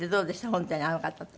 本当にあの方と。